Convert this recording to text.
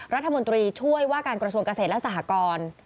รัฐมนตรีช่วยว่าการกระทรวงเกษตรและสหกร